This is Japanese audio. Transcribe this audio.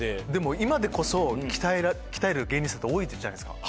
今でこそ鍛える芸人さんって多いじゃないですか。